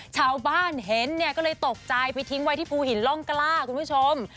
ชาวบ้านเห็นเนี่ยก็เลยตกใจไปทิ้งไว้ที่ภูหินร่องกล้าคุณผู้ชม